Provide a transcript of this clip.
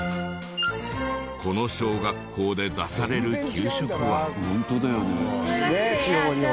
この小学校で出される給食は。